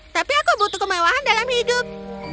tapi aku butuh kemewahan dalam hidup